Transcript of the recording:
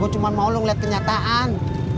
gue cuma mau lo ngelihat kenyataan